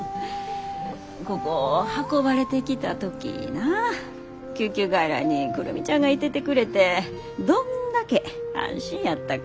ここ運ばれてきた時な救急外来に久留美ちゃんがいててくれてどんだけ安心やったか。